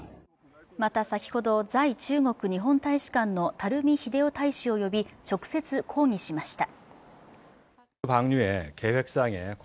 また、先ほど在中国日本大使館の垂秀夫大使を呼び、直接抗議しました。